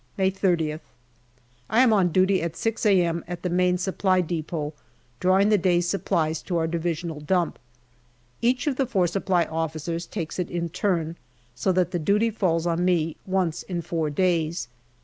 May 30th. I am on duty at 6 a.m. at the Main Supply depot drawing the day's supplies to our Divisional dump. Each of the MAY 111 four Supply Officers takes it in turn, so that the duty falls to me once in four days.